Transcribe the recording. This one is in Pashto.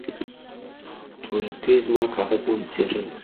تورکي زما کاغذان څيرل.